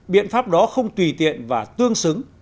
vụ đó không tùy tiện và tương xứng